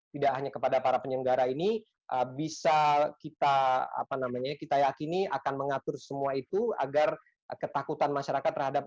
tidak hanya kepada para penyelenggara ini bisa kita yakini akan mengatur semua itu agar ketakutan masyarakat terhadap